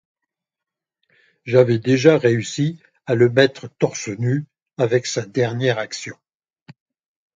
J'avais déjà réussi à le mettre torse nu avec sa dernière action.